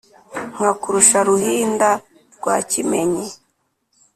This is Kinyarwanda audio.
Nkakurusha Ruhinda rwa kimenyi